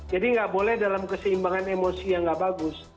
jadi tidak boleh dalam keseimbangan emosi yang tidak bagus